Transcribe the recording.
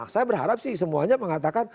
saya berharap sih semuanya mengatakan